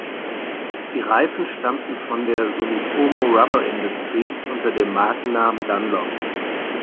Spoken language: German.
Die Reifen stammten von der Sumitomo Rubber Industries unter dem Markennamen Dunlop.